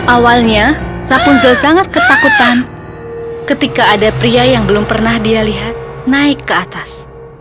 awalnya rapunzo sangat ketakutan ketika ada pria yang belum pernah dia lihat naik ke atas